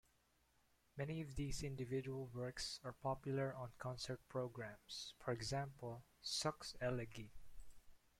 Many of these individual works are popular on concert programs, for example Suk's Elegie.